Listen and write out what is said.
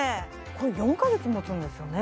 これ４か月もつんですよね？